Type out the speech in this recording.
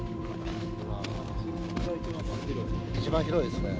一番広いっすね。